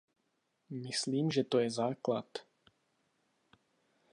Myslím, že to je základ.